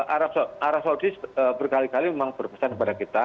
arab saudi berkali kali memang berpesan kepada kita